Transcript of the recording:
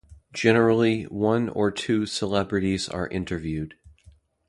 Generally, one or two celebrities are interviewed.